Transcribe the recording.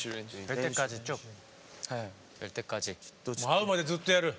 合うまでずっとやる？